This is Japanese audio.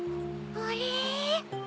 あれ？